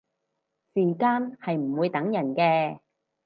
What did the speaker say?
時間係唔會等人嘅